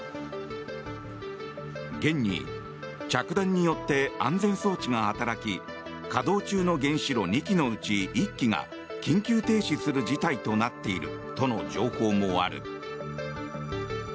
現に着弾によって安全装置が働き稼働中の原子炉２基のうち１基が緊急停止する事態となっているとの情報もある。